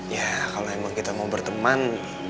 ya kalau memang kita mau berteman